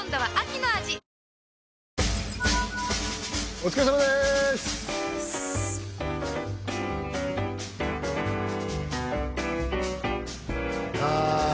お疲れさまでーすあ